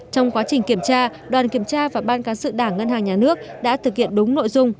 trong quá trình kiểm tra đoàn kiểm tra và ban cán sự đảng ngân hàng nhà nước đã thực hiện đúng nội dung